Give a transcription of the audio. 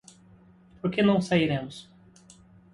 Por que não sairemos?